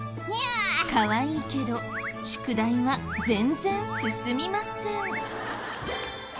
かわいいけど宿題は全然進みません。